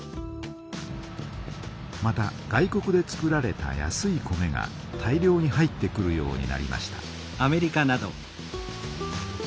また外国で作られた安い米が大量に入ってくるようになりました。